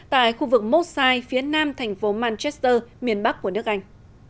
tại khu vực mosai phía nam thành phố manchester miền bắc của nước anh